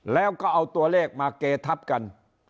แล้วก็เอาตัวเลขมาเกทับกัน